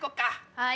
はい。